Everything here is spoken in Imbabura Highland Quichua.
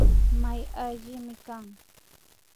May allimi kan